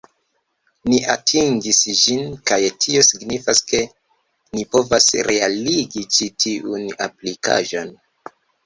Ni atingis ĝin, kaj tio signifas ke ni povos realigi ĉi tiun aplikaĵon